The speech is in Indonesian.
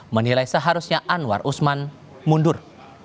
menilai seharusnya anwar usman mundur